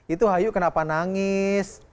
itu hayu kenapa nangis